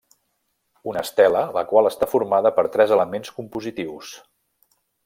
Una estela la qual està formada per tres elements compositius.